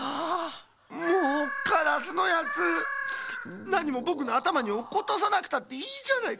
もうカラスのやつなにもぼくのあたまにおっことさなくたっていいじゃないか。